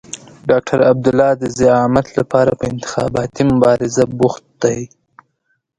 ډاکټر عبدالله د زعامت لپاره په انتخاباتي مبارزه بوخت دی.